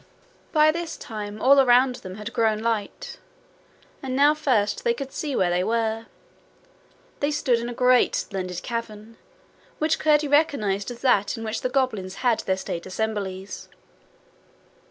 By this time all around them had grown light, and now first they could see where they were. They stood in a great splendid cavern, which Curdie recognized as that in which the goblins held their state assemblies.